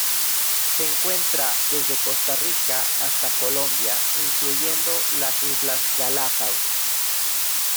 Se encuentra desde Costa Rica hasta Colombia, incluyendo las Islas Galápagos.